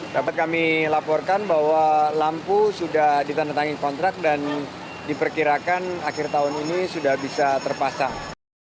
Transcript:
dapat kami laporkan bahwa lampu sudah ditandatangani kontrak dan diperkirakan akhir tahun ini sudah bisa terpasang